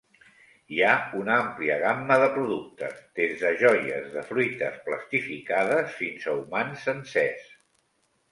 Hi ha una àmplia gamma de productes, des de joies de fruites plastificades fins a humans sencers.